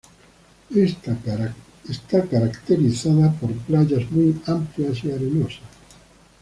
Está caracterizada por playas muy amplias y arenosas.